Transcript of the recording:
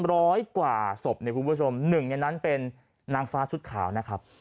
ร้อยกว่าศพหนึ่งในนั้นเป็นนางฟ้าชุดข่าวนะครับ